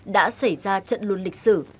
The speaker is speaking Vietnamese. đã xảy ra trận luân lịch sử